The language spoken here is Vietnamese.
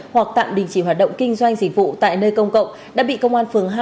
hoặc tạm đình chỉ hoạt động kinh doanh dịch vụ tại nơi công cộng đã bị công an phường hai